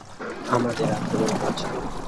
আমাদের আক্রমণ করেছে!